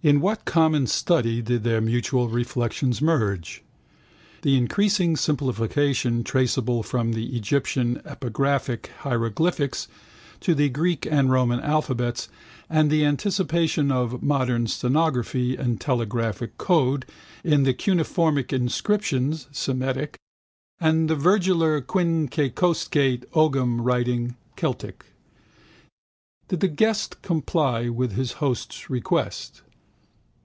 In what common study did their mutual reflections merge? The increasing simplification traceable from the Egyptian epigraphic hieroglyphs to the Greek and Roman alphabets and the anticipation of modern stenography and telegraphic code in the cuneiform inscriptions (Semitic) and the virgular quinquecostate ogham writing (Celtic). Did the guest comply with his host's request?